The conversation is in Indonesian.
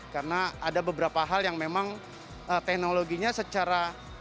karena ada beberapa hal yang memang teknologinya secara